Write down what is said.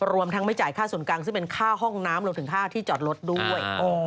รวมทั้งไม่จ่ายค่าส่วนกลางซึ่งเป็นค่าห้องน้ำรวมถึงค่าที่จอดรถด้วย